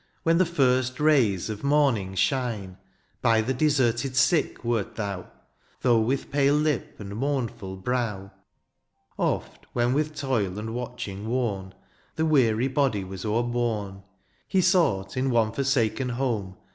When the first rays of morning shine. By the deserted sick wert thou. Though with pale lip and mournful brow, Oft, when with toil and watching worn, The weary body was overborne. He sought, in one forsaken home.